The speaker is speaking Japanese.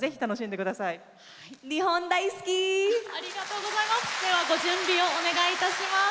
ではご準備をお願いいたします。